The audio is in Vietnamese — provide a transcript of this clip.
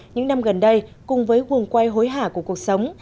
những năm gần đây cùng với huồng quay hối hả của cuộc sống